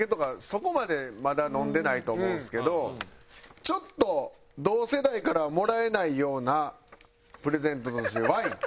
そこまでまだ飲んでないと思うんですけどちょっと同世代からはもらえないようなプレゼントとしてワイン。